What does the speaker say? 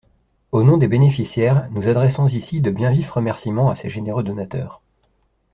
Au nom des bénéficiaires, nous adressons ici, de biens vifs remerciements à ces généreux donateurs.